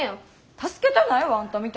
助けたないわあんたみたいなん。